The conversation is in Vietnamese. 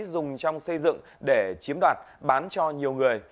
dùng trong xây dựng để chiếm đoạt bán cho nhiều người